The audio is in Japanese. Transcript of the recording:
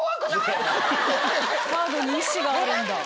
カードに意思があるんだ。